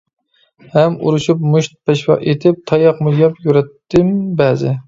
ھەم ئۇرۇشۇپ مۇشت پەشۋا ئېتىپ، تاياقمۇ يەپ يۈرەتتىم بەزى.